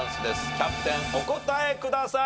キャプテンお答えください。